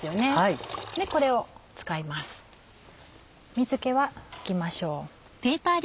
水気は拭きましょう。